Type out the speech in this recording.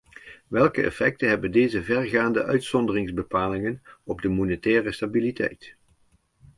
Welke effecten hebben deze vergaande uitzonderingsbepalingen op de monetaire stabiliteit?